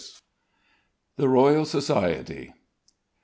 THE ROYAL SOCIETY.